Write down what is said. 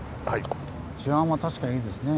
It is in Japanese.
治安は確かにいいですね。